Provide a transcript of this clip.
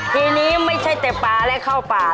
ทีนี้ไม่ใช่แต่ปลาและเข้าป่า